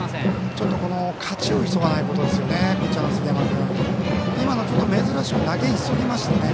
ちょっと勝ちを急がないことですね。